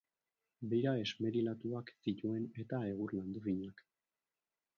Beira esmerilatuak zituen, eta egur landu finak.